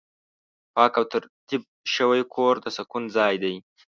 پاک او ترتیب شوی کور د سکون ځای دی.